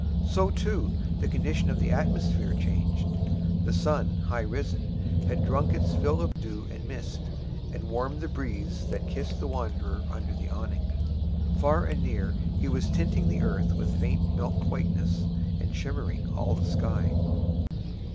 So, too, the condition of the atmosphere changed. The sun, high risen, had drunk his fill of dew and mist, and warmed the breeze that kissed the wanderer under the awning; far and near he was tinting the earth with faint milk whiteness, and shimmering all the sky.